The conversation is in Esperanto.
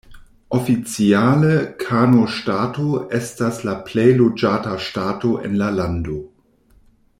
Oficiale, Kano Ŝtato estas la plej loĝata ŝtato en la lando.